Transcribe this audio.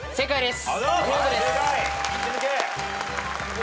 正解です。